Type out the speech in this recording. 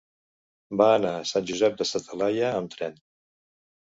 Va anar a Sant Josep de sa Talaia amb tren.